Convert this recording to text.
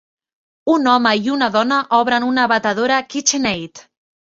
Un home i una dona obren una batedora KitchenAid.